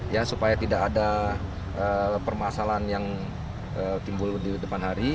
ya supaya tidak ada permasalahan yang timbul di depan hari